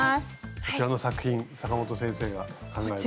こちらの作品阪本先生が考えた。